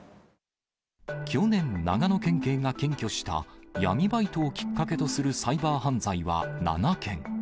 去年、長野県警が検挙した、闇バイトをきっかけとするサイバー犯罪は７件。